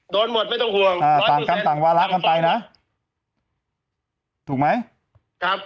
หมดไม่ต้องห่วงอ่าต่างกรรมต่างวาระกันไปนะถูกไหมครับ